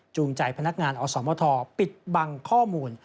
ใจพนักงานอสมทปิดบังข้อมูล